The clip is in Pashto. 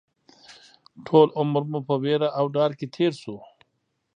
ټول عمر مو په وېره او ډار کې تېر شو